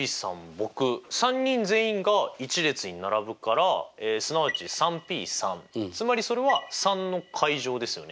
僕３人全員が１列に並ぶからすなわち３Ｐ３つまりそれは３！ですよね。